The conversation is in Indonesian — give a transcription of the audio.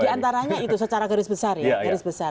di antaranya itu secara garis besar ya